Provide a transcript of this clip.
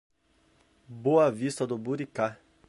Boa Vista do Buricá